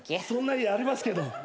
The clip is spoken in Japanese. そんな家ありますけど。